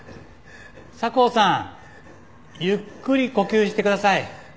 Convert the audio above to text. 佐向さんゆっくり呼吸してください。